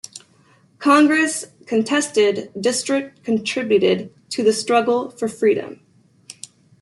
Congress contested district contributed to the struggle for freedom.